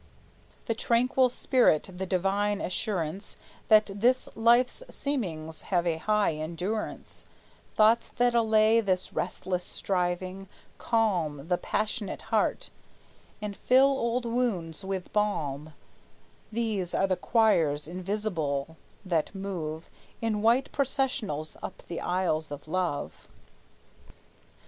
The tranquil spirit the divine assurance That this life's seemings have a high endurance Thoughts that allay this restless striving, calm The passionate heart, and fill old wounds with balm; These are the choirs invisible that move In white processionals up the aisles of love.